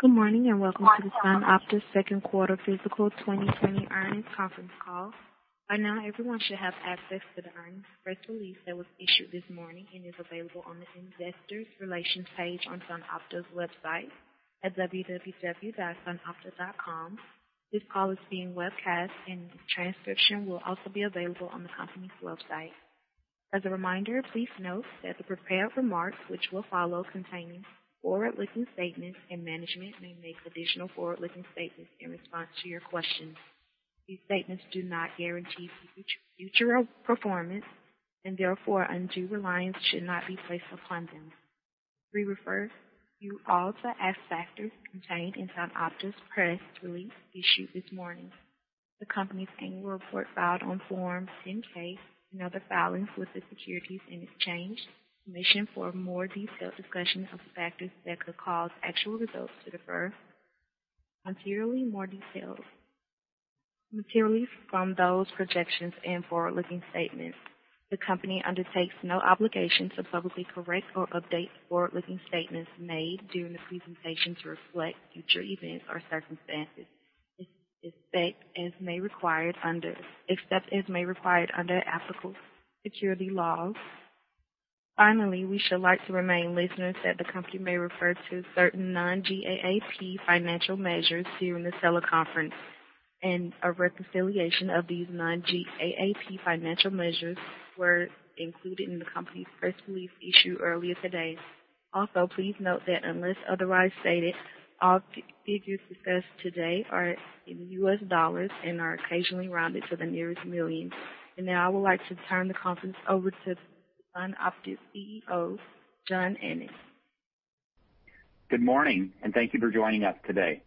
Good morning, welcome to the SunOpta second quarter fiscal 2020 earnings conference call. By now, everyone should have access to the earnings press release that was issued this morning and is available on the Investor Relations page on SunOpta's website at www.sunopta.com. This call is being webcast and the transcription will also be available on the company's website. As a reminder, please note that the prepared remarks which will follow contain forward-looking statements. Management may make additional forward-looking statements in response to your questions. These statements do not guarantee future performance. Therefore, undue reliance should not be placed upon them. We refer you all to the risk factors contained in SunOpta's press release issued this morning. The company's Annual Report filed on Form 10-K and other filings with the Securities and Exchange Commission for a more detailed discussion of the factors that could cause actual results to differ materially from those projections and forward-looking statements. The company undertakes no obligation to publicly correct or update forward-looking statements made during the presentation to reflect future events or circumstances, except as may be required under applicable security laws. Finally, we should like to remind listeners that the company may refer to certain non-GAAP financial measures during this teleconference, and a reconciliation of these non-GAAP financial measures were included in the company's press release issued earlier today. Also, please note that unless otherwise stated, all figures discussed today are in U.S. dollars and are occasionally rounded to the nearest million. Now I would like to turn the conference over to SunOpta's CEO, Joe Ennen. Good morning. Thank you for joining us today.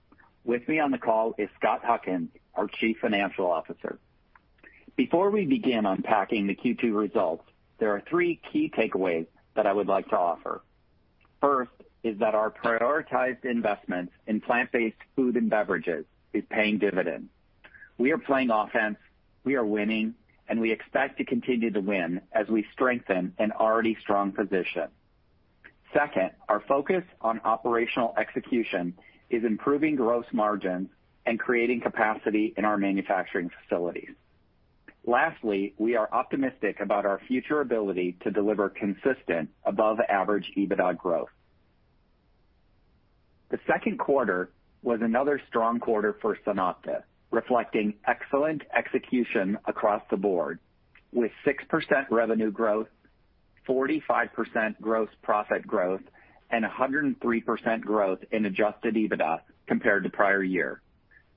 With me on the call is Scott Huckins, our Chief Financial Officer. Before we begin unpacking the Q2 results, there are three key takeaways that I would like to offer. First is that our prioritized investments in Plant-Based Foods and Beverages is paying dividends. We are playing offense, we are winning, and we expect to continue to win as we strengthen an already strong position. Second, our focus on operational execution is improving gross margins and creating capacity in our manufacturing facilities. Lastly, we are optimistic about our future ability to deliver consistent above-average EBITDA growth. The second quarter was another strong quarter for SunOpta, reflecting excellent execution across the board with 6% revenue growth, 45% gross profit growth, and 103% growth in adjusted EBITDA compared to prior year.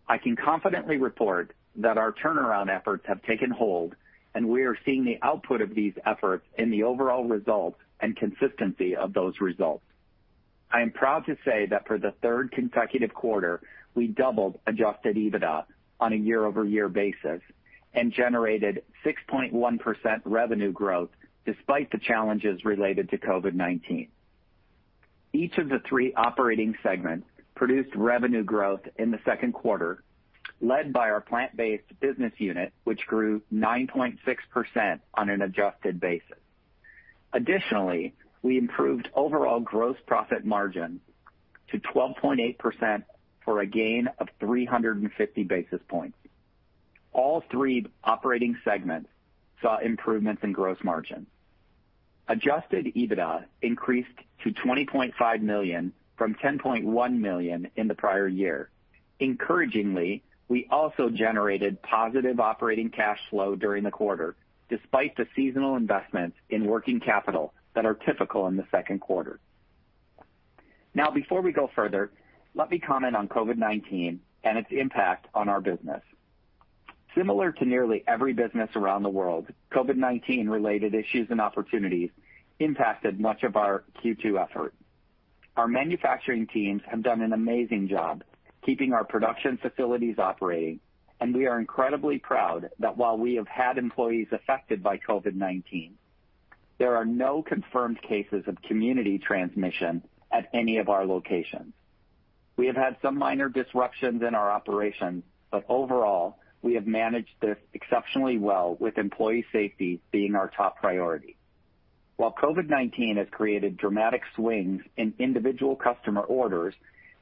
I can confidently report that our turnaround efforts have taken hold, and we are seeing the output of these efforts in the overall results and consistency of those results. I am proud to say that for the third consecutive quarter, we doubled adjusted EBITDA on a year-over-year basis and generated 6.1% revenue growth despite the challenges related to COVID-19. Each of the three operating segments produced revenue growth in the second quarter, led by our Plant-Based business unit, which grew 9.6% on an adjusted basis. Additionally, we improved overall gross profit margin to 12.8%, for a gain of 350 basis points. All three operating segments saw improvements in gross margin. Adjusted EBITDA increased to $20.5 million from $10.1 million in the prior year. Encouragingly, we also generated positive operating cash flow during the quarter, despite the seasonal investments in working capital that are typical in the second quarter. Now, before we go further, let me comment on COVID-19 and its impact on our business. Similar to nearly every business around the world, COVID-19 related issues and opportunities impacted much of our Q2 efforts. Our manufacturing teams have done an amazing job keeping our production facilities operating, and we are incredibly proud that while we have had employees affected by COVID-19, there are no confirmed cases of community transmission at any of our locations. We have had some minor disruptions in our operations, but overall, we have managed this exceptionally well with employee safety being our top priority. While COVID-19 has created dramatic swings in individual customer orders,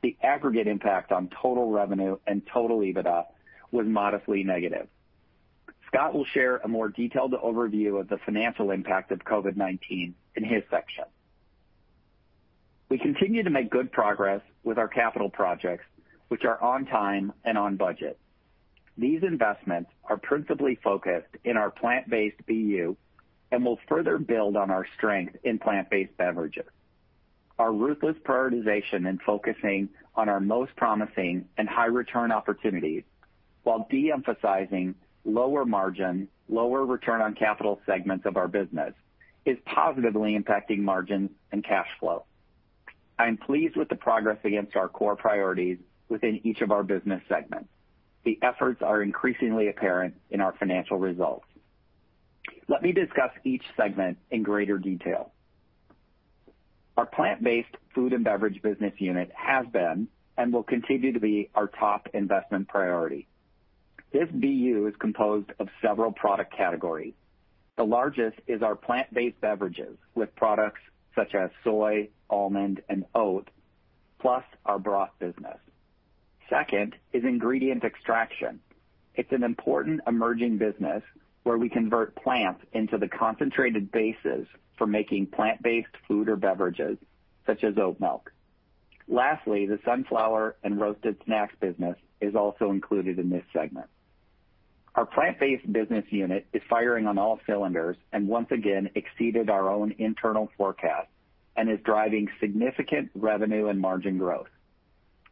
the aggregate impact on total revenue and total EBITDA was modestly negative. Scott will share a more detailed overview of the financial impact of COVID-19 in his section. We continue to make good progress with our capital projects, which are on time and on budget. These investments are principally focused in our Plant-Based BU and will further build on our strength in Plant-Based Beverages. Our ruthless prioritization and focusing on our most promising and high return opportunities while de-emphasizing lower margin, lower return on capital segments of our business is positively impacting margins and cash flow. I am pleased with the progress against our core priorities within each of our business segments. The efforts are increasingly apparent in our financial results. Let me discuss each segment in greater detail. Our Plant-Based Foods and Beverage business unit has been and will continue to be our top investment priority. This BU is composed of several product categories. The largest is our Plant-Based Beverages, with products such as soy, almond, and oat, plus our broth business. Second is ingredient extraction. It's an important emerging business where we convert plants into the concentrated bases for making plant-based food or beverages, such as oat milk. Lastly, the sunflower and roasted snacks business is also included in this segment. Our Plant-Based Business Unit is firing on all cylinders and once again exceeded our own internal forecast and is driving significant revenue and margin growth.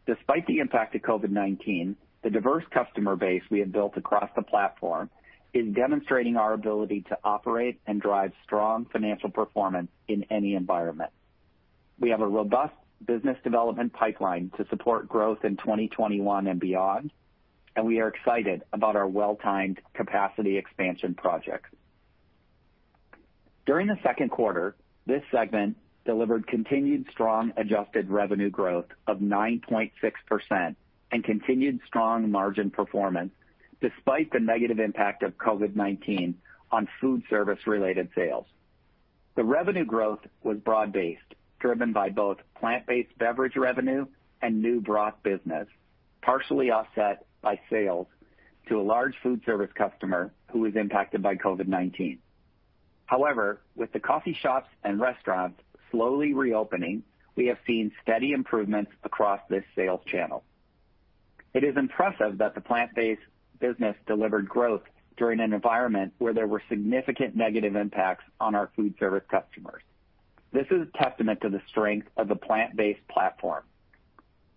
Despite the impact of COVID-19, the diverse customer base we have built across the platform is demonstrating our ability to operate and drive strong financial performance in any environment. We have a robust business development pipeline to support growth in 2021 and beyond, and we are excited about our well-timed capacity expansion projects. During the second quarter, this segment delivered continued strong adjusted revenue growth of 9.6% and continued strong margin performance despite the negative impact of COVID-19 on food service-related sales. The revenue growth was broad-based, driven by both Plant-Based Beverage revenue and new broth business, partially offset by sales to a large food service customer who was impacted by COVID-19. However, with the coffee shops and restaurants slowly reopening, we have seen steady improvements across this sales channel. It is impressive that the Plant-Based business delivered growth during an environment where there were significant negative impacts on our food service customers. This is a testament to the strength of the Plant-Based platform.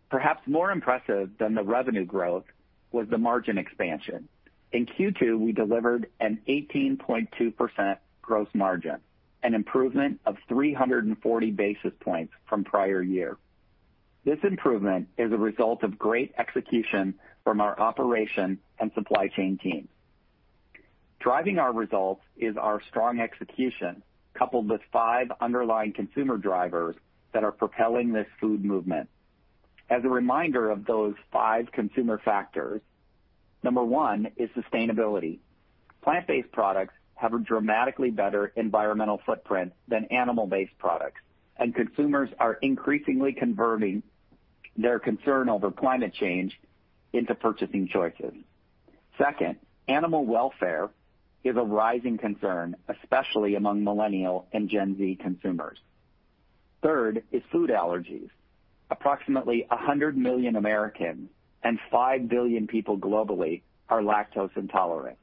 Perhaps more impressive than the revenue growth was the margin expansion. In Q2, we delivered an 18.2% gross margin, an improvement of 340 basis points from prior year. This improvement is a result of great execution from our operation and supply chain teams. Driving our results is our strong execution, coupled with five underlying consumer drivers that are propelling this food movement. As a reminder of those five consumer factors, number one is sustainability. Plant-based products have a dramatically better environmental footprint than animal-based products, and consumers are increasingly converting their concern over climate change into purchasing choices. Second, animal welfare is a rising concern, especially among Millennial and Gen Z consumers. Third is food allergies. Approximately 100 million Americans and 5 billion people globally are lactose intolerant.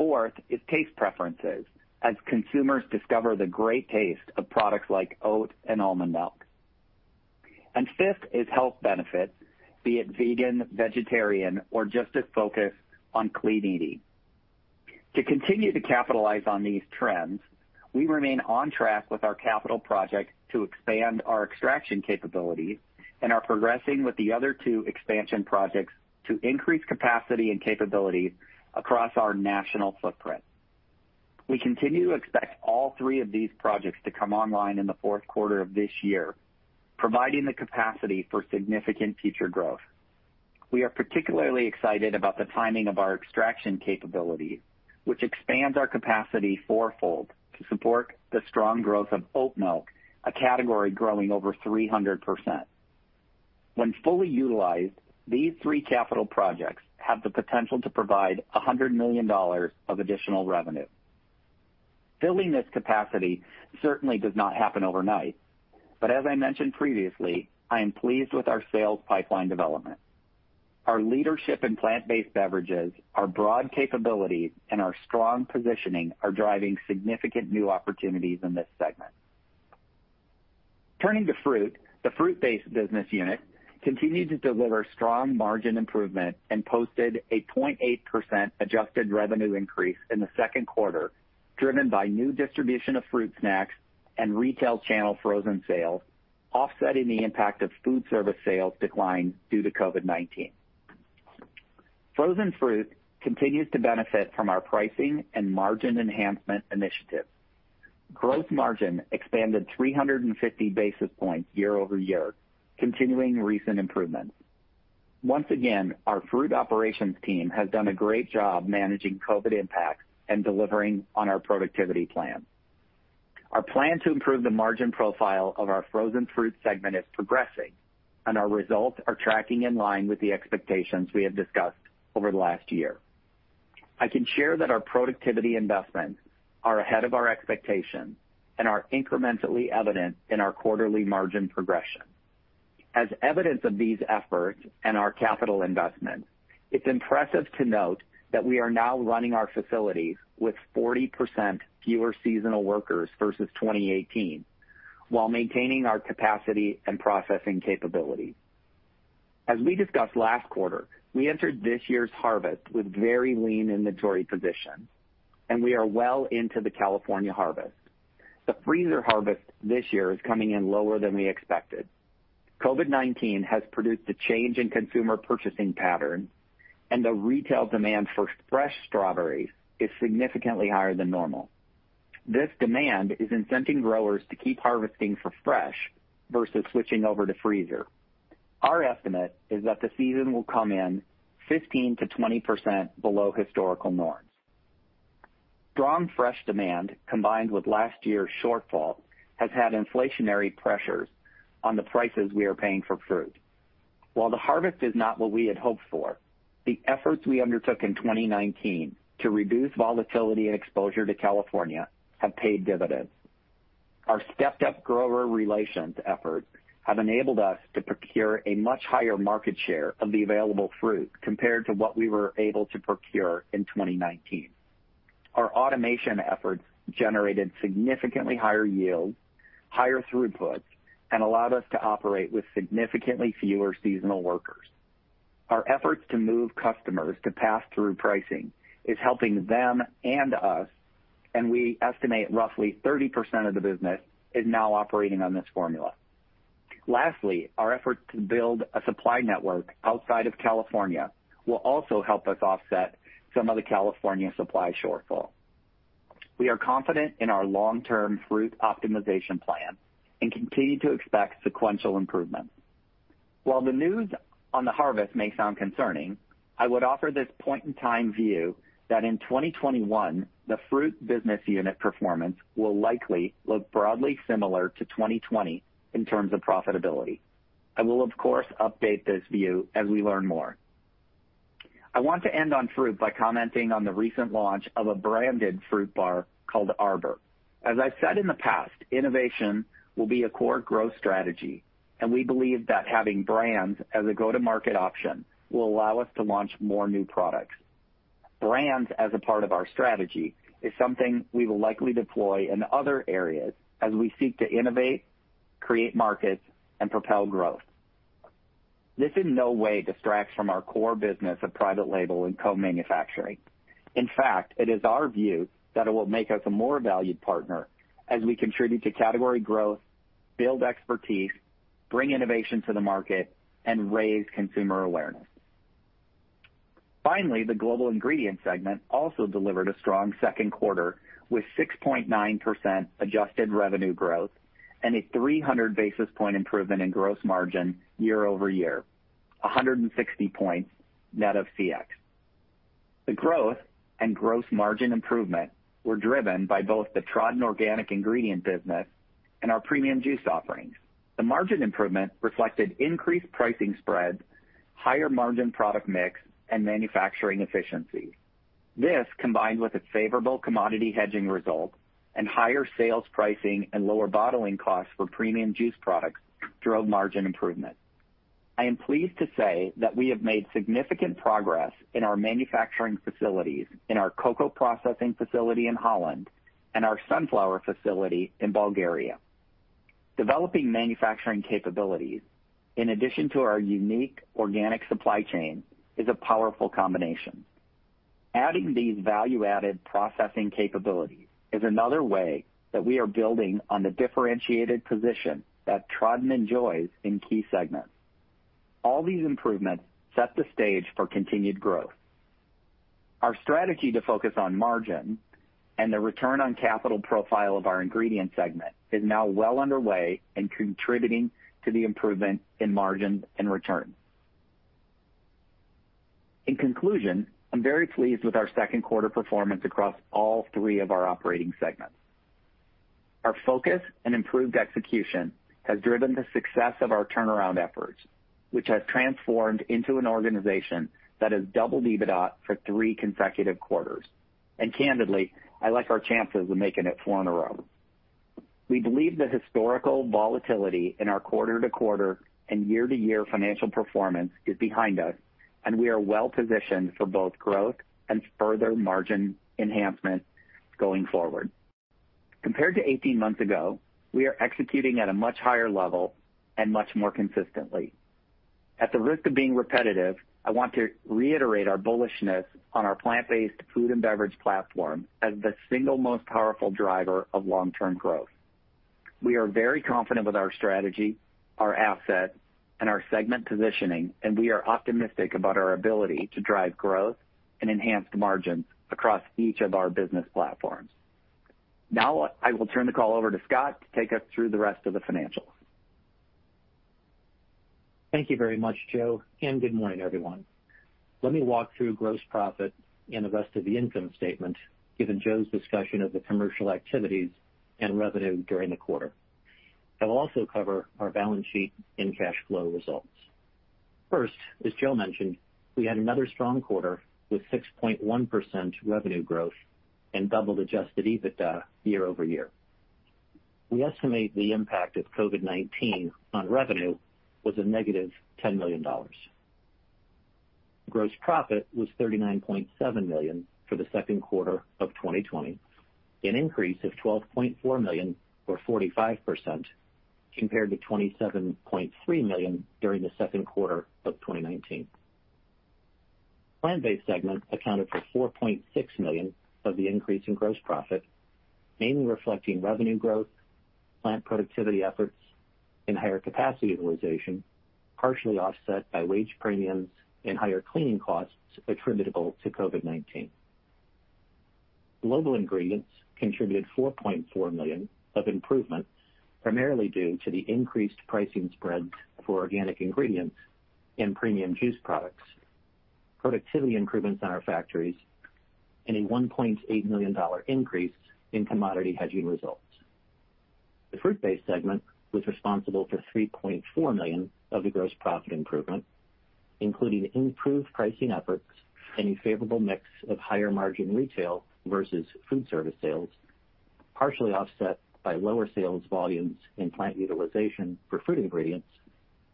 Fourth is taste preferences, as consumers discover the great taste of products like oat and almond milk. Fifth is health benefits, be it vegan, vegetarian, or just a focus on clean eating. To continue to capitalize on these trends, we remain on track with our capital projects to expand our extraction capabilities and are progressing with the other two expansion projects to increase capacity and capabilities across our national footprint. We continue to expect all three of these projects to come online in the fourth quarter of this year, providing the capacity for significant future growth. We are particularly excited about the timing of our extraction capability, which expands our capacity fourfold to support the strong growth of oat milk, a category growing over 300%. When fully utilized, these three capital projects have the potential to provide $100 million of additional revenue. Filling this capacity certainly does not happen overnight, but as I mentioned previously, I am pleased with our sales pipeline development. Our leadership in Plant-Based Beverages, our broad capabilities, and our strong positioning are driving significant new opportunities in this segment. Turning to Fruit, the Fruit-Based business unit continued to deliver strong margin improvement and posted a 0.8% adjusted revenue increase in the second quarter, driven by new distribution of fruit snacks and retail channel frozen sales, offsetting the impact of food service sales decline due to COVID-19. Frozen fruit continues to benefit from our pricing and margin enhancement initiative. Gross margin expanded 350 basis points year-over-year, continuing recent improvements. Once again, our fruit operations team has done a great job managing COVID impacts and delivering on our productivity plan. Our plan to improve the margin profile of our frozen fruit segment is progressing, and our results are tracking in line with the expectations we have discussed over the last year. I can share that our productivity investments are ahead of our expectations and are incrementally evident in our quarterly margin progression. As evidence of these efforts and our capital investments, it's impressive to note that we are now running our facilities with 40% fewer seasonal workers versus 2018 while maintaining our capacity and processing capabilities. As we discussed last quarter, we entered this year's harvest with very lean inventory positions, and we are well into the California harvest. The freezer harvest this year is coming in lower than we expected. COVID-19 has produced a change in consumer purchasing patterns, and the retail demand for fresh strawberries is significantly higher than normal. This demand is incenting growers to keep harvesting for fresh versus switching over to freezer. Our estimate is that the season will come in 15%-20% below historical norms. Strong fresh demand, combined with last year's shortfall, has had inflationary pressures on the prices we are paying for fruit. While the harvest is not what we had hoped for, the efforts we undertook in 2019 to reduce volatility and exposure to California have paid dividends. Our stepped-up grower relations efforts have enabled us to procure a much higher market share of the available fruit compared to what we were able to procure in 2019. Our automation efforts generated significantly higher yields, higher throughputs, and allowed us to operate with significantly fewer seasonal workers. Our efforts to move customers to pass-through pricing is helping them and us, and we estimate roughly 30% of the business is now operating on this formula. Lastly, our efforts to build a supply network outside of California will also help us offset some of the California supply shortfall. We are confident in our long-term fruit optimization plan and continue to expect sequential improvements. While the news on the harvest may sound concerning, I would offer this point-in-time view that in 2021, the Fruit business unit performance will likely look broadly similar to 2020 in terms of profitability. I will, of course, update this view as we learn more. I want to end on Fruit by commenting on the recent launch of a branded fruit bar called arbor. As I've said in the past, innovation will be a core growth strategy, and we believe that having brands as a go-to-market option will allow us to launch more new products. Brands as a part of our strategy is something we will likely deploy in other areas as we seek to innovate, create markets, and propel growth. This in no way distracts from our core business of private label and co-manufacturing. In fact, it is our view that it will make us a more valued partner as we contribute to category growth, build expertise, bring innovation to the market, and raise consumer awareness. Finally, the Global Ingredient segment also delivered a strong second quarter with 6.9% adjusted revenue growth and a 300 basis point improvement in gross margin year-over-year, 160 points net of FX. The growth and gross margin improvement were driven by both the Tradin Organic ingredient business and our premium juice offerings. The margin improvement reflected increased pricing spreads, higher-margin product mix, and manufacturing efficiencies. This, combined with a favorable commodity hedging result and higher sales pricing and lower bottling costs for premium juice products, drove margin improvement. I am pleased to say that we have made significant progress in our manufacturing facilities in our cocoa processing facility in Holland and our sunflower facility in Bulgaria. Developing manufacturing capabilities in addition to our unique organic supply chain is a powerful combination. Adding these value-added processing capabilities is another way that we are building on the differentiated position that Tradin enjoys in key segments. All these improvements set the stage for continued growth. Our strategy to focus on margin and the return on capital profile of our Ingredient segment is now well underway and contributing to the improvement in margins and returns. In conclusion, I'm very pleased with our second quarter performance across all three of our operating segments. Our focus and improved execution has driven the success of our turnaround efforts, which has transformed into an organization that has doubled EBITDA for three consecutive quarters. Candidly, I like our chances of making it four in a row. We believe the historical volatility in our quarter-to-quarter and year-to-year financial performance is behind us, and we are well positioned for both growth and further margin enhancement going forward. Compared to 18 months ago, we are executing at a much higher level and much more consistently. At the risk of being repetitive, I want to reiterate our bullishness on our Plant-Based Foods and Beverage platform as the single most powerful driver of long-term growth. We are very confident with our strategy, our assets, and our segment positioning, and we are optimistic about our ability to drive growth and enhance margins across each of our business platforms. Now I will turn the call over to Scott to take us through the rest of the financials. Thank you very much, Joe, and good morning, everyone. Let me walk through gross profit and the rest of the income statement, given Joe's discussion of the commercial activities and revenue during the quarter. I will also cover our balance sheet and cash flow results. First, as Joe mentioned, we had another strong quarter with 6.1% revenue growth and doubled adjusted EBITDA year-over-year. We estimate the impact of COVID-19 on revenue was a $ -10 million. Gross profit was $39.7 million for the second quarter of 2020, an increase of $12.4 million or 45% compared to $27.3 million during the second quarter of 2019. Plant-based segment accounted for $4.6 million of the increase in gross profit, mainly reflecting revenue growth, plant productivity efforts, and higher capacity utilization partially offset by wage premiums and higher cleaning costs attributable to COVID-19. Global Ingredients contributed $4.4 million of improvement, primarily due to the increased pricing spreads for organic ingredients and premium juice products, productivity improvements in our factories, and a $1.8 million increase in commodity hedging results. The Fruit-Based segment was responsible for $3.4 million of the gross profit improvement, including improved pricing efforts and a favorable mix of higher margin retail versus food service sales, partially offset by lower sales volumes and plant utilization for fruit ingredients,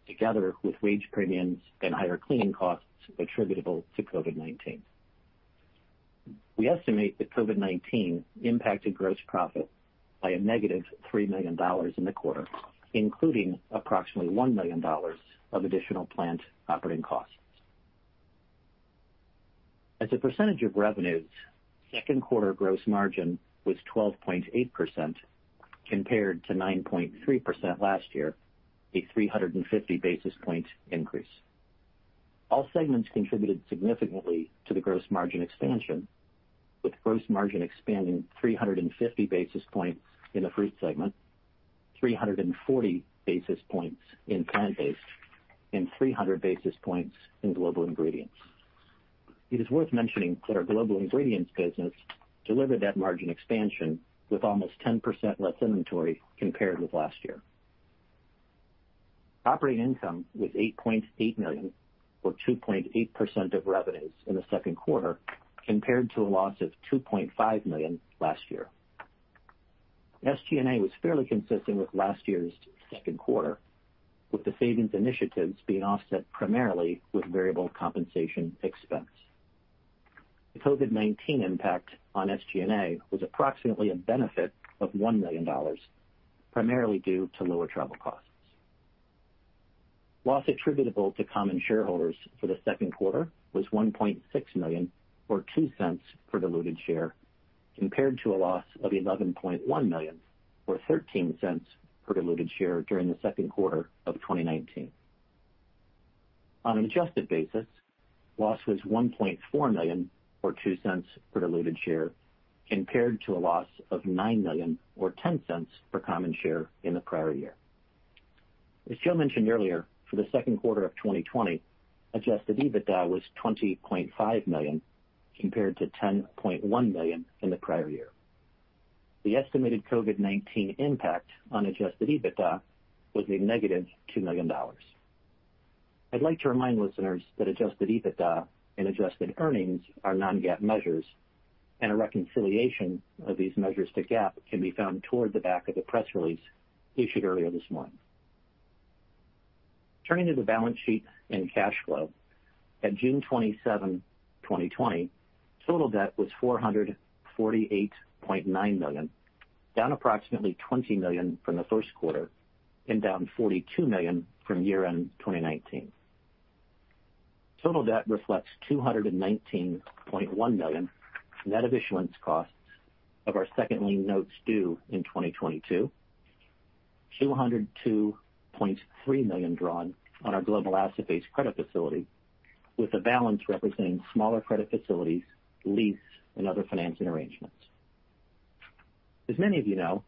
together with wage premiums and higher cleaning costs attributable to COVID-19. We estimate that COVID-19 impacted gross profit by a $ -3 million in the quarter, including approximately $1 million of additional plant operating costs. As a percentage of revenues, Q2 gross margin was 12.8% compared to 9.3% last year, a 350 basis point increase. All segments contributed significantly to the gross margin expansion, with gross margin expanding 350 basis points in the Fruit Segment, 340 basis points in Plant-Based, and 300 basis points in Global Ingredients. It is worth mentioning that our Global Ingredients business delivered that margin expansion with almost 10% less inventory compared with last year. Operating income was $8.8 million, or 2.8% of revenues in the second quarter, compared to a loss of $2.5 million last year. SG&A was fairly consistent with last year's second quarter, with the savings initiatives being offset primarily with variable compensation expense. The COVID-19 impact on SG&A was approximately a benefit of $1 million, primarily due to lower travel costs. Loss attributable to common shareholders for the second quarter was $1.6 million, or $0.02 per diluted share, compared to a loss of $11.1 million, or $0.13 per diluted share during the second quarter of 2019. On an adjusted basis, loss was $1.4 million, or $0.02 per diluted share, compared to a loss of $9 million or $0.10 per common share in the prior year. As Joe mentioned earlier, for the second quarter of 2020, adjusted EBITDA was $20.5 million, compared to $10.1 million in the prior year. The estimated COVID-19 impact on adjusted EBITDA was a $ -2 million. I'd like to remind listeners that adjusted EBITDA and adjusted earnings are non-GAAP measures, and a reconciliation of these measures to GAAP can be found toward the back of the press release issued earlier this morning. Turning to the balance sheet and cash flow. At June 27, 2020, total debt was $448.9 million, down approximately $20 million from the first quarter and down $42 million from year-end 2019. Total debt reflects $219.1 million net of issuance costs of our second lien notes due in 2022, $202.3 million drawn on our global asset-based credit facility with a balance representing smaller credit facilities, lease, and other financing arrangements. As many of you know,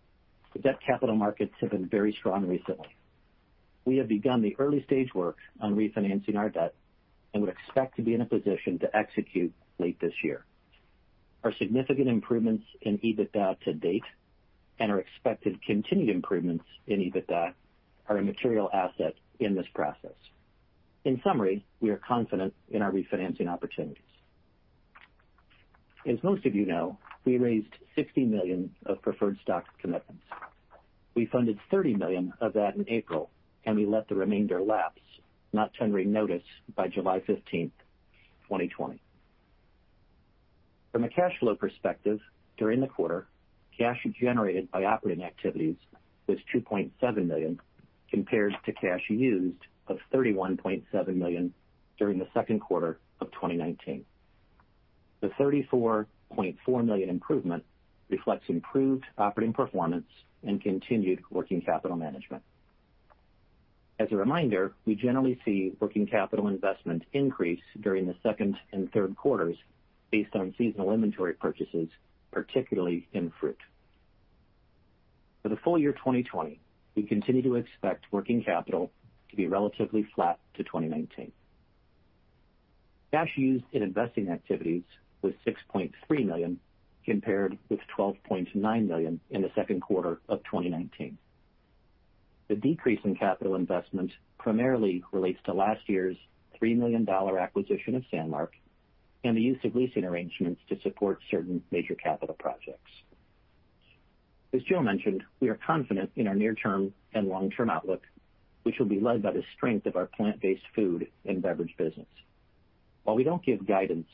the debt capital markets have been very strong recently. We have begun the early stage work on refinancing our debt and would expect to be in a position to execute late this year. Our significant improvements in EBITDA to date and our expected continued improvements in EBITDA are a material asset in this process. In summary, we are confident in our refinancing opportunities. As most of you know, we raised $60 million of preferred stock commitments. We funded $30 million of that in April, we let the remainder lapse, not tendering notice by July 15th, 2020. From a cash flow perspective, during the quarter, cash generated by operating activities was $2.7 million, compared to cash used of $31.7 million during the second quarter of 2019. The $34.4 million improvement reflects improved operating performance and continued working capital management. As a reminder, we generally see working capital investment increase during the second and third quarters based on seasonal inventory purchases, particularly in Fruit. For the full year 2020, we continue to expect working capital to be relatively flat to 2019. Cash used in investing activities was $6.3 million, compared with $12.9 million in the second quarter of 2019. The decrease in capital investment primarily relates to last year's $3 million acquisition of Sanmark and the use of leasing arrangements to support certain major capital projects. As Joe mentioned, we are confident in our near-term and long-term outlook, which will be led by the strength of our Plant-Based Foods and Beverage business. While we don't give guidance,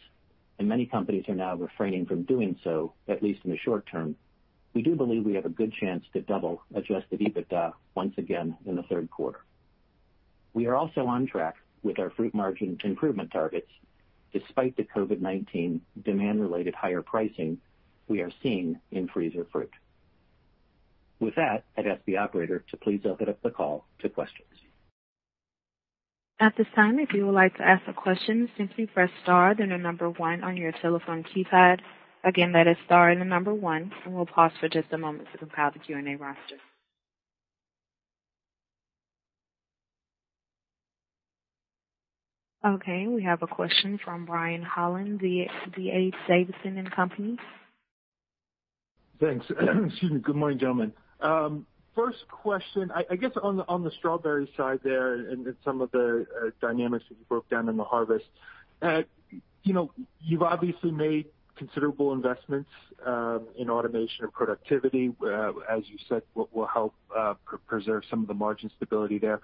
and many companies are now refraining from doing so, at least in the short term, we do believe we have a good chance to double adjusted EBITDA once again in the third quarter. We are also on track with our Fruit margin improvement targets, despite the COVID-19 demand-related higher pricing we are seeing in freezer fruit. With that, I'd ask the operator to please open up the call to questions. At this time, if you would like to ask a question, simply press star, then the number one on your telephone keypad. That is star and the number one, and we'll pause for just a moment to compile the Q&A roster. We have a question from Brian Holland, D.A. Davidson & Company. Thanks. Excuse me. Good morning, gentlemen. First question, I guess on the strawberry side there and some of the dynamics that you broke down in the harvest. You've obviously made considerable investments in automation and productivity, as you said, what will help preserve some of the margin stability there.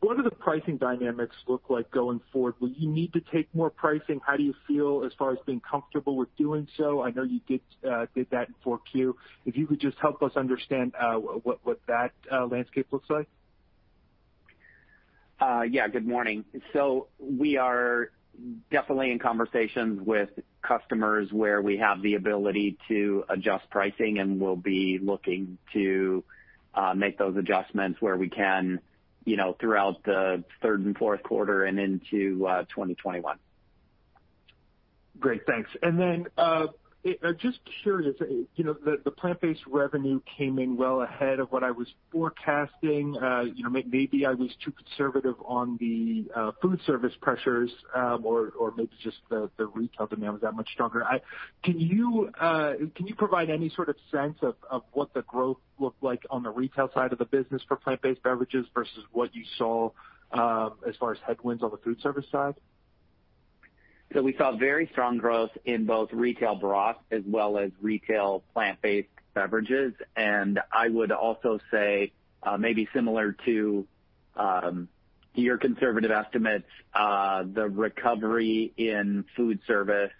What do the pricing dynamics look like going forward? Will you need to take more pricing? How do you feel as far as being comfortable with doing so? I know you did that in 4Q. If you could just help us understand what that landscape looks like. Yeah. Good morning. We are definitely in conversations with customers where we have the ability to adjust pricing, and we'll be looking to make those adjustments where we can throughout the third and fourth quarter and into 2021. Great. Thanks. Just curious, the Plant-Based revenue came in well ahead of what I was forecasting. Maybe I was too conservative on the food service pressures, or maybe just the retail demand was that much stronger. Can you provide any sort of sense of what the growth looked like on the retail side of the business for Plant-Based Beverages versus what you saw as far as headwinds on the food service side? We saw very strong growth in both retail broth as well as retail Plant-Based Beverages. I would also say, maybe similar to your conservative estimates, the recovery in food service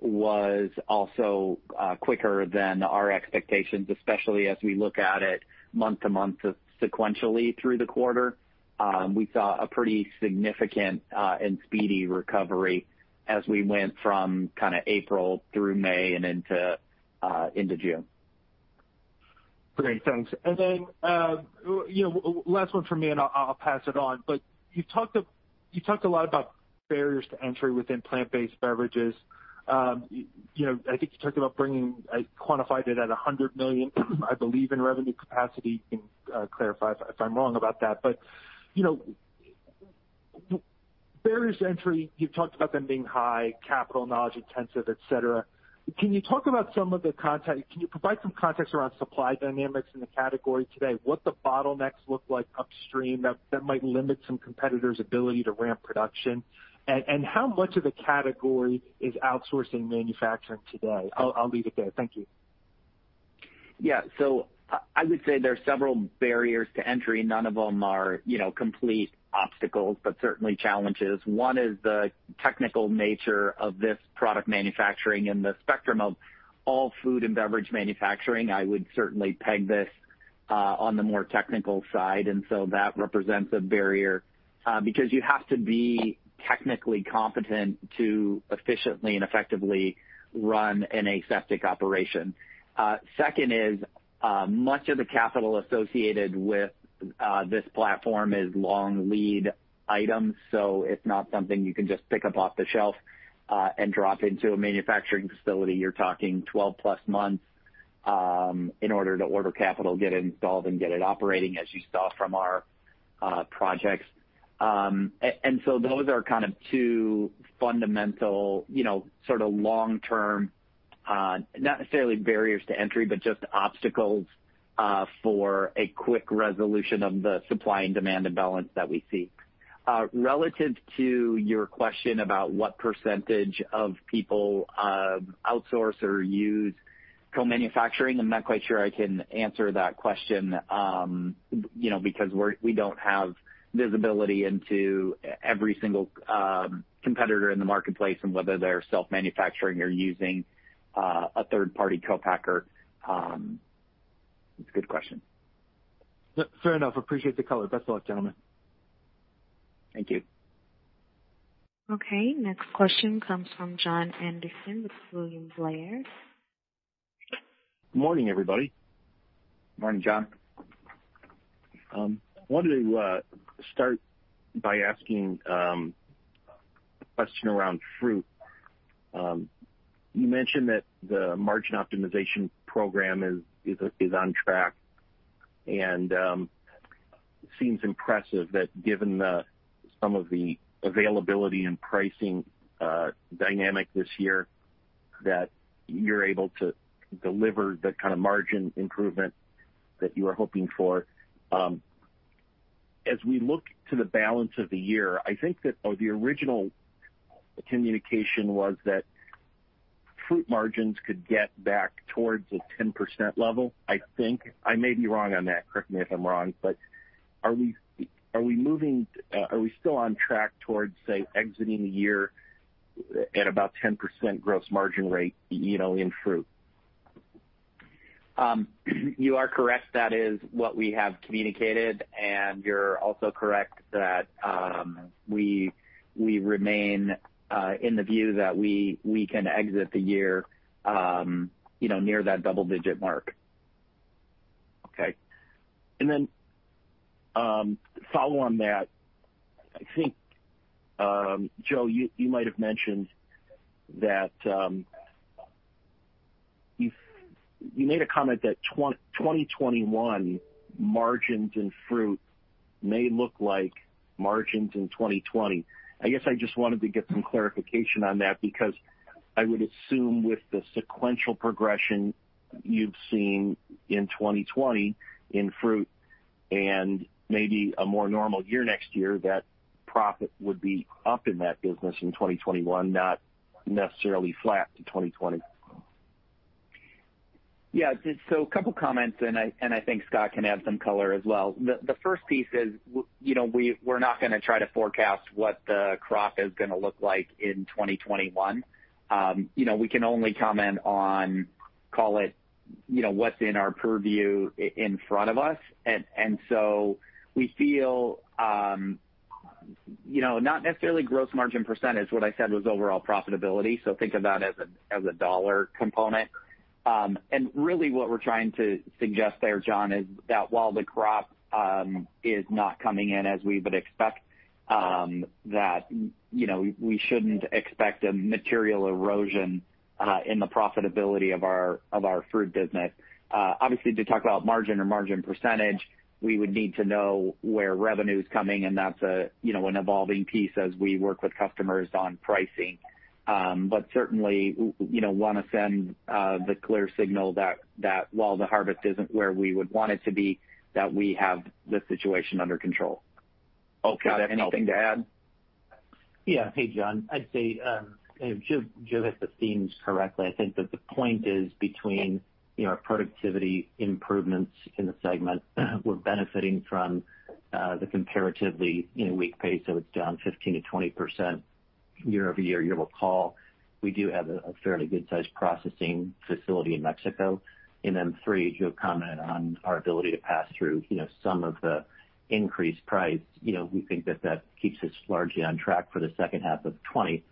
was also quicker than our expectations, especially as we look at it month-to-month sequentially through the quarter. We saw a pretty significant and speedy recovery as we went from kind of April through May and into June. Great, thanks. Last one from me, and I'll pass it on. You talked a lot about barriers to entry within Plant-Based Beverages. I think you talked about quantified it at $100 million, I believe, in revenue capacity. You can clarify if I'm wrong about that. Barriers to entry, you've talked about them being high capital, knowledge intensive, et cetera. Can you provide some context around supply dynamics in the category today? What the bottlenecks look like upstream that might limit some competitors' ability to ramp production? How much of the category is outsourcing manufacturing today? I'll leave it there. Thank you. I would say there are several barriers to entry. None of them are complete obstacles, but certainly challenges. One is the technical nature of this product manufacturing in the spectrum of all food and beverage manufacturing. I would certainly peg this on the more technical side. That represents a barrier because you have to be technically competent to efficiently and effectively run an aseptic operation. Second is, much of the capital associated with this platform is long lead items, so it's not something you can just pick up off the shelf and drop into a manufacturing facility. You're talking 12+ months in order to order capital, get it installed, and get it operating, as you saw from our projects. Those are kind of two fundamental sort of long-term, not necessarily barriers to entry, but just obstacles for a quick resolution of the supply and demand imbalance that we see. Relative to your question about what percentage of people outsource or use co-manufacturing, I'm not quite sure I can answer that question because we don't have visibility into every single competitor in the marketplace and whether they're self-manufacturing or using a third-party co-packer. It's a good question. Fair enough. Appreciate the color. Best of luck, gentlemen. Thank you. Okay, next question comes from Jon Andersen with William Blair. Morning, everybody. Morning, Jon. Wanted to start by asking a question around Fruit. You mentioned that the margin optimization program is on track, and seems impressive that given some of the availability and pricing dynamic this year, that you're able to deliver the kind of margin improvement that you are hoping for. As we look to the balance of the year, I think that the original communication was that Fruit margins could get back towards a 10% level, I think. I may be wrong on that. Correct me if I'm wrong. Are we still on track towards, say, exiting the year at about 10% gross margin rate in Fruit? You are correct. That is what we have communicated, and you're also correct that we remain in the view that we can exit the year near that double-digit mark. Okay. Follow on that, I think, Joe, you made a comment that 2021 margins in fruit may look like margins in 2020. I guess I just wanted to get some clarification on that, because I would assume with the sequential progression you've seen in 2020 in Fruit, and maybe a more normal year next year, that profit would be up in that business in 2021, not necessarily flat to 2020. A couple of comments, and I think Scott can add some color as well. The first piece is we're not going to try to forecast what the crop is going to look like in 2021. We can only comment on what's in our purview in front of us. We feel not necessarily gross margin percentage. What I said was overall profitability. Think of that as a dollar component. Really what we're trying to suggest there, Jon, is that while the crop is not coming in as we would expect, that we shouldn't expect a material erosion in the profitability of our Fruit business. Obviously, to talk about margin or margin percentage, we would need to know where revenue is coming, and that's an evolving piece as we work with customers on pricing. Certainly, want to send the clear signal that while the harvest isn't where we would want it to be, that we have the situation under control. Okay. That helps. Scott, anything to add? Hey, Jon. I'd say Joe hit the themes correctly. I think that the point is between our productivity improvements in the segment we're benefiting from the comparatively weak pace of down 15%-20% year-over-year. You'll recall, we do have a fairly good-sized processing facility in Mexico. Then three, Joe commented on our ability to pass through some of the increased price. We think that that keeps us largely on track for the second half of 2020.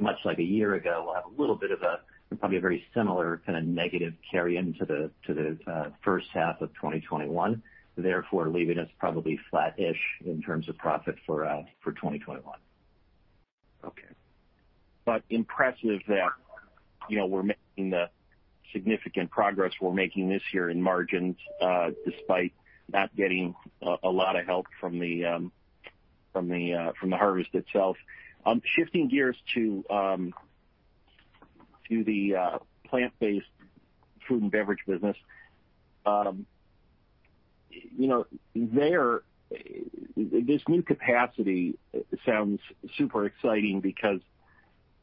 Much like a year ago, we'll have a little bit of a probably very similar kind of negative carry-in to the first half of 2021, therefore leaving us probably flat-ish in terms of profit for 2021. Impressive that we're making the significant progress we're making this year in margins despite not getting a lot of help from the harvest itself. Shifting gears to the Plant-Based Foods and Beverage business. There, this new capacity sounds super exciting because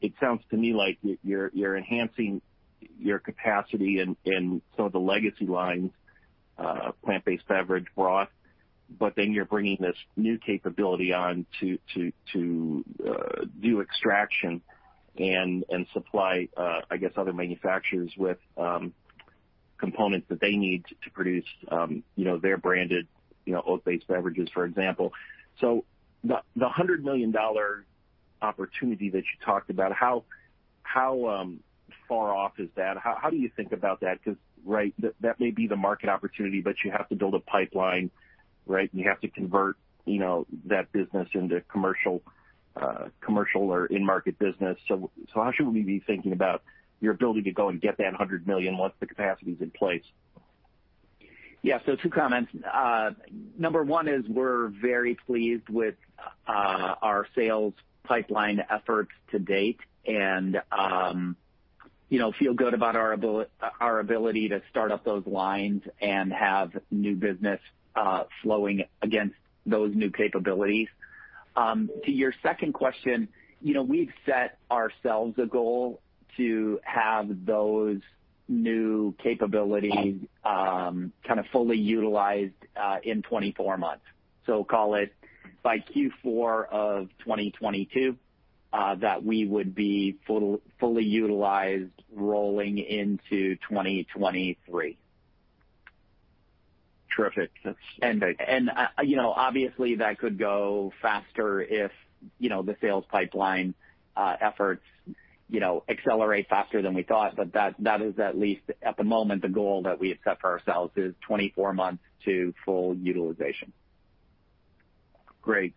it sounds to me like you're enhancing your capacity in some of the legacy lines, Plant-Based Beverage, broth. You're bringing this new capability on to do extraction and supply other manufacturers with components that they need to produce their branded oat-based beverages, for example. The $100 million opportunity that you talked about, how far off is that? How do you think about that? That may be the market opportunity, but you have to build a pipeline. You have to convert that business into commercial or in-market business. How should we be thinking about your ability to go and get that $100 million once the capacity's in place? Yeah. Two comments. Number one is we're very pleased with our sales pipeline efforts to date and feel good about our ability to start up those lines and have new business flowing against those new capabilities. To your second question, we've set ourselves a goal to have those new capabilities kind of fully utilized in 24 months. Call it by Q4 of 2022 that we would be fully utilized rolling into 2023. Terrific. That's great. Obviously, that could go faster if the sales pipeline efforts accelerate faster than we thought. That is at least at the moment the goal that we have set for ourselves is 24 months to full utilization. Great.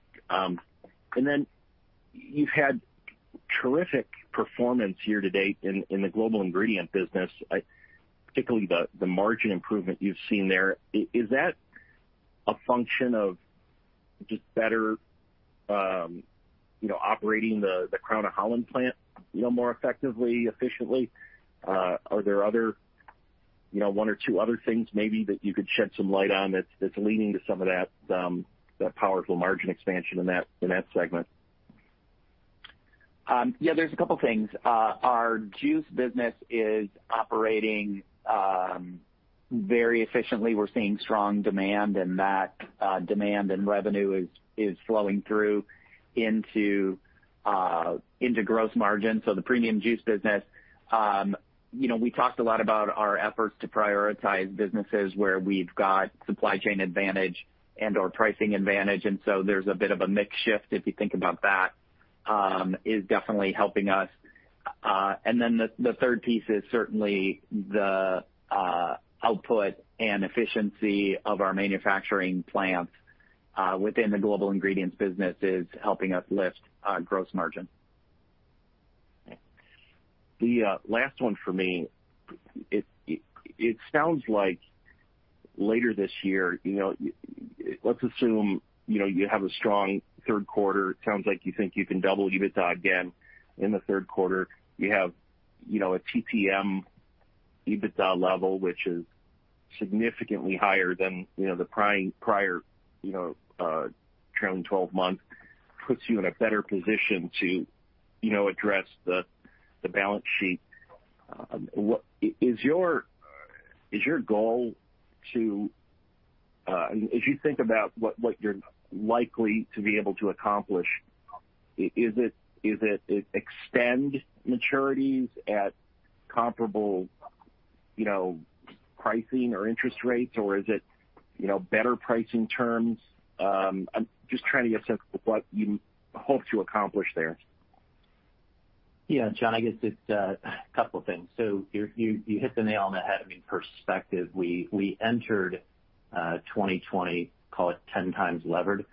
You've had terrific performance year-to-date in the Global Ingredient business, particularly the margin improvement you've seen there. Is that a function of just better operating the Crown of Holland plant more effectively, efficiently? Are there one or two other things maybe that you could shed some light on that's leading to some of that powerful margin expansion in that segment? Yeah, there's a couple things. Our juice business is operating very efficiently. We're seeing strong demand, and that demand and revenue is flowing through into gross margin. The premium juice business, we talked a lot about our efforts to prioritize businesses where we've got supply chain advantage and/or pricing advantage. There's a bit of a mix shift, if you think about that, is definitely helping us. The third piece is certainly the output and efficiency of our manufacturing plants within the Global Ingredients business is helping us lift gross margin. The last one for me. It sounds like later this year, let's assume you have a strong third quarter. It sounds like you think you can double EBITDA again in the third quarter. You have a TTM EBITDA level, which is significantly higher than the prior trailing 12 months, puts you in a better position to address the balance sheet. As you think about what you're likely to be able to accomplish, is it extend maturities at comparable pricing or interest rates, or is it better pricing terms? I'm just trying to get a sense of what you hope to accomplish there. Yeah, Jon, I guess it's a couple things. You hit the nail on the head. In perspective, we entered 2020, call it 10 times levered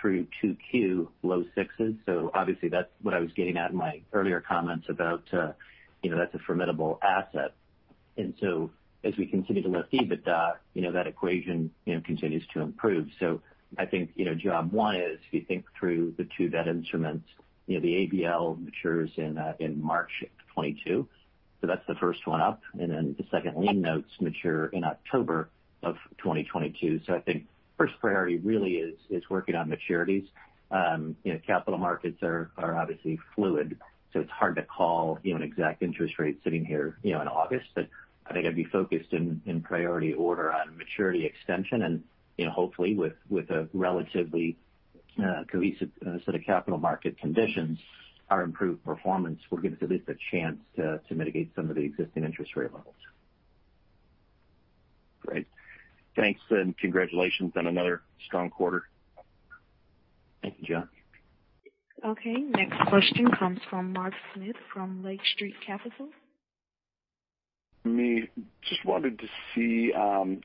through Q2, low-sixes. Obviously that's what I was getting at in my earlier comments about that's a formidable asset. As we continue to lift EBITDA, that equation continues to improve. I think, Jon, one is if you think through the two debt instruments, the ABL matures in March of 2022, so that's the first one up. The second lien notes mature in October of 2022. I think first priority really is working on maturities. Capital markets are obviously fluid, so it's hard to call an exact interest rate sitting here in August. I think I'd be focused in priority order on maturity extension and hopefully with a relatively cohesive set of capital market conditions, our improved performance will give us at least a chance to mitigate some of the existing interest rate levels. Great. Thanks, and congratulations on another strong quarter. Thank you, Jon. Okay. Next question comes from Mark Smith from Lake Street Capital. Me, just wanted to see,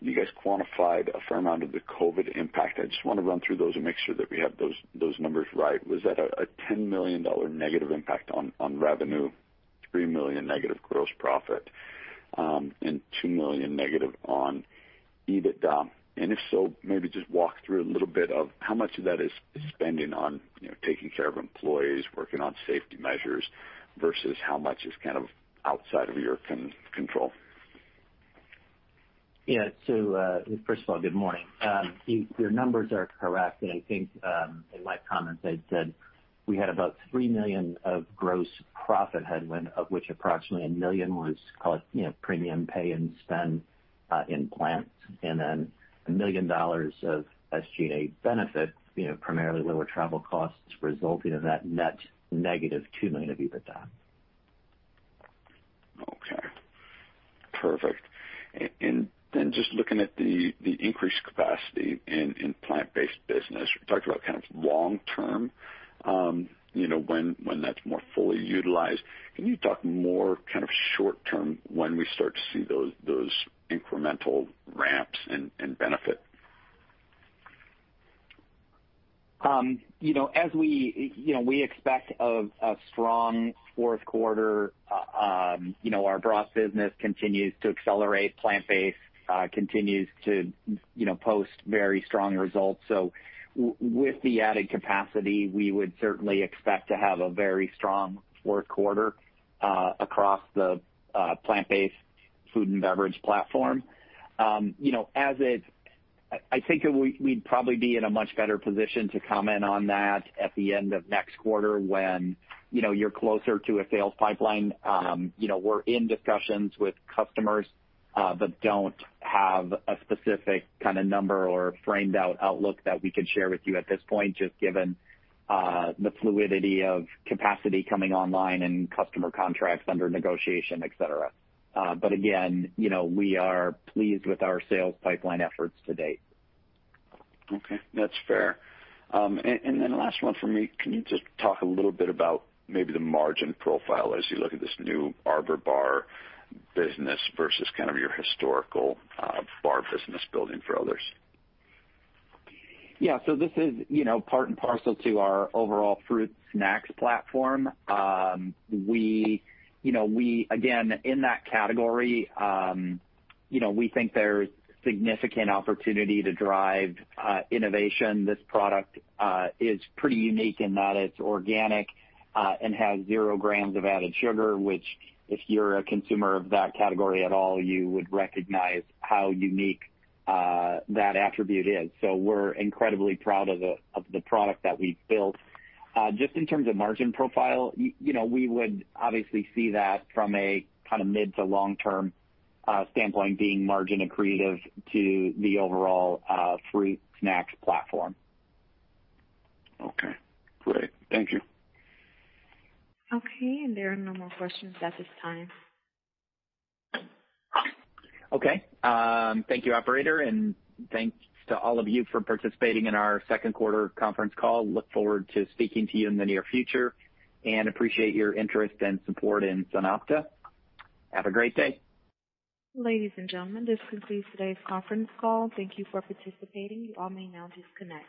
you guys quantified a fair amount of the COVID impact. I just want to run through those and make sure that we have those numbers right. Was that a $ -10 million impact on revenue, $ -3 million gross profit, and $ -2 million on EBITDA? If so, maybe just walk through a little bit of how much of that is spending on taking care of employees, working on safety measures, versus how much is kind of outside of your control? First of all, good morning. Your numbers are correct. I think in my comments I said we had about $3 million of gross profit headwind, of which approximately $1 million was premium pay and spend in plant, and then $1 million of SG&A benefit, primarily lower travel costs resulting in that net $ -2 million of EBITDA. Okay. Perfect. Then just looking at the increased capacity in Plant-Based business, we talked about kind of long-term, when that's more fully utilized. Can you talk more kind of short term when we start to see those incremental ramps and benefit? We expect a strong fourth quarter. Our broth business continues to accelerate. Plant-based continues to post very strong results. With the added capacity, we would certainly expect to have a very strong fourth quarter across the Plant-Based Foods and Beverage platform. I think we'd probably be in a much better position to comment on that at the end of next quarter when you're closer to a sales pipeline. We're in discussions with customers, but don't have a specific kind of number or framed out outlook that we can share with you at this point, just given the fluidity of capacity coming online and customer contracts under negotiation, et cetera. Again, we are pleased with our sales pipeline efforts to date. Okay. That's fair. Then last one from me. Can you just talk a little bit about maybe the margin profile as you look at this new arbor bar business versus kind of your historical bar business building for others? This is part and parcel to our overall fruit snacks platform. We, again, in that category we think there's significant opportunity to drive innovation. This product is pretty unique in that it's organic and has 0 g of added sugar, which, if you're a consumer of that category at all, you would recognize how unique that attribute is. We're incredibly proud of the product that we've built. Just in terms of margin profile, we would obviously see that from a kind of mid to long-term standpoint being margin accretive to the overall fruit snacks platform. Okay, great. Thank you. Okay, there are no more questions at this time. Okay. Thank you, operator, and thanks to all of you for participating in our second quarter conference call. I look forward to speaking to you in the near future, and appreciate your interest and support in SunOpta. Have a great day. Ladies and gentlemen, this concludes today's conference call. Thank you for participating. You all may now disconnect.